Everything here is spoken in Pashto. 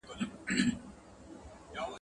• پردۍ موچڼه پر پښه معلومېږي.